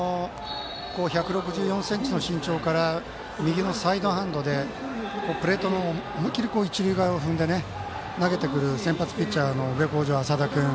１６４ｃｍの身長から右のサイドハンドで、プレートの思いっきり一塁側を踏んで投げてくる先発ピッチャーの宇部鴻城、淺田君。